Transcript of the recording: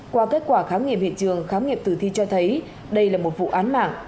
qua kết quả khám nghiệm hiện trường khám nghiệm tử thi cho thấy đây là một vụ án mạng